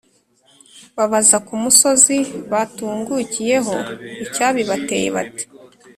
babaza ku musozi batungukiyeho icyabibateye, bati: